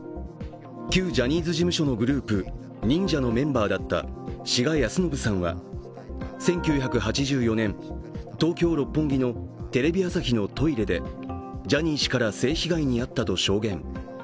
旧ジャニーズ事務所のグループ忍者のメンバーだった志賀泰伸さんは、１９８４年、東京・六本木のテレビ朝日のトイレでジャニー氏から性被害に遭ったと証言。